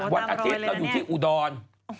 วันอาทิตย์เราอยู่ที่อุดร